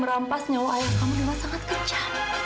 gemaakt dari mereka